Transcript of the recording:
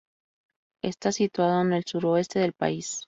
Está situado en el suroeste del país.